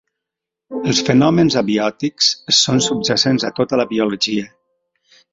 Els fenòmens abiòtics són subjacents a tota la biologia.